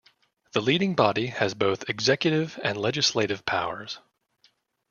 The Leading Body has both executive and legislative powers.